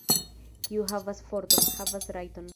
Kiu havas forton, havas rajton.